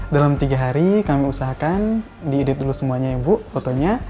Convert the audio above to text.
dalam tiga hari kami usahakan diudit dulu semuanya ya bu fotonya